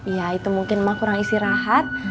ya itu mungkin memang kurang istirahat